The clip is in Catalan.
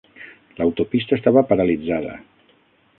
L'autopista estava paralitzada.